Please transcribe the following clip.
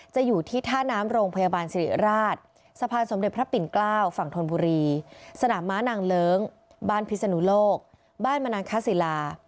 อยู่ที่ท่าน้ำโรงพยาบาลสิริราชสะพานสมเด็จพระปิ่นเกล้าฝั่งธนบุรีสนามม้านางเลิ้งบ้านพิศนุโลกบ้านมนังคศิลา